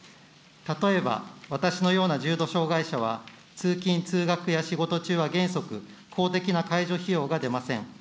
例えば、私のような重度障害者は、通勤・通学や仕事中は原則、公的な介助費用が出ません。